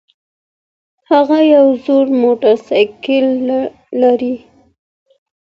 هغه يو زوړ موټرسايکل لري